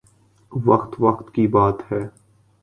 وقت وقت کی بات ہے